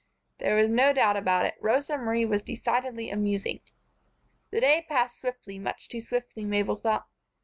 There was no doubt about it, Rosa Marie was decidedly amusing. The day passed swiftly; much too swiftly, Mabel thought.